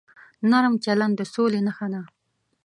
نرم چلند د سولې نښه ده.